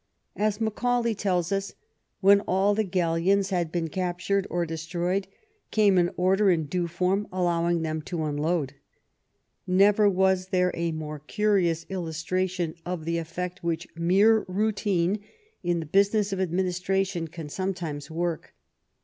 As Macaulay tells us, " When all the galleons had been captured or destroyed, came an order in due form allowing them to unload." Xever was there a more curious illustration of the effect which mere routine, in the business of adminis tration, can sometimes work.